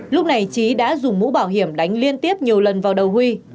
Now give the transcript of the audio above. lúc này trí đã dùng mũ bảo hiểm đánh liên tiếp nhiều lần vào đầu huy